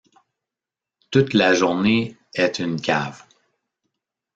Toute la journée est une cave.